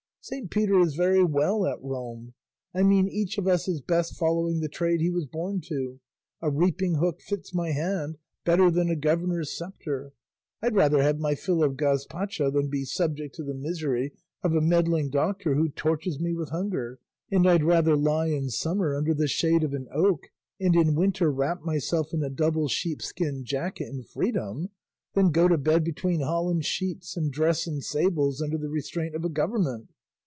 Saint Peter is very well at Rome; I mean each of us is best following the trade he was born to. A reaping hook fits my hand better than a governor's sceptre; I'd rather have my fill of gazpacho than be subject to the misery of a meddling doctor who kills me with hunger, and I'd rather lie in summer under the shade of an oak, and in winter wrap myself in a double sheepskin jacket in freedom, than go to bed between holland sheets and dress in sables under the restraint of a government.